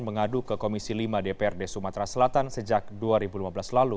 mengadu ke komisi lima dprd sumatera selatan sejak dua ribu lima belas lalu